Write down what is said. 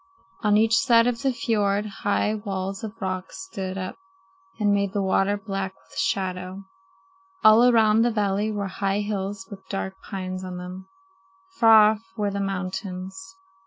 On each side of the fiord high walls of rock stood up and made the water black with shadow. All around the valley were high hills with dark pines on them. Far off were the mountains.